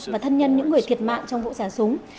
và thân nhân những người thiệt mạng trong vụ xả súng